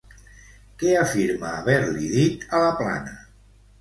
Què afirma haver-li dit a Laplana?